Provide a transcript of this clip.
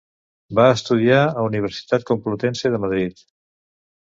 Va estudiar a Universitat Complutense de Madrid.